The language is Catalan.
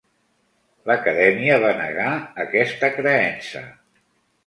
L'Acadèmia va negar aquesta "creença".